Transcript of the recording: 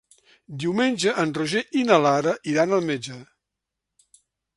Diumenge en Roger i na Lara iran al metge.